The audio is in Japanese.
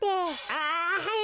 ああはい。